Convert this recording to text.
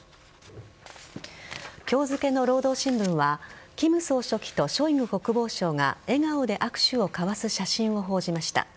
今日付の労働新聞は金総書記とショイグ国防相が笑顔で握手を交わす写真を報じました。